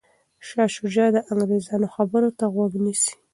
شاه شجاع د انګریزانو خبرو ته غوږ نیسي.